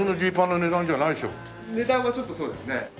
値段はちょっとそうですね。